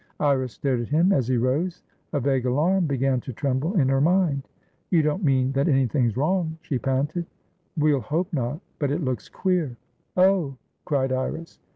Iris stared at him as he rose. A vague alarm began to tremble in her mind. "You don't mean that anything's wrong?" she panted. "We'll hope not, but it looks queer." "Oh!" cried Iris.